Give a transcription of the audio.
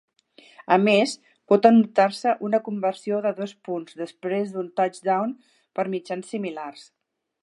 A més, pot anotar-se una conversió de dos punts després d'un touchdown per mitjans similars.